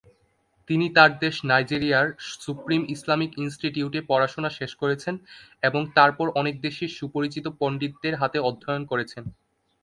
তিনি তার দেশ নাইজেরিয়ার সুপ্রিম ইসলামিক ইনস্টিটিউটে পড়াশোনা শেষ করেছেন এবং তারপর অনেক দেশের সুপরিচিত পণ্ডিতদের হাতে অধ্যয়ন করেছেন।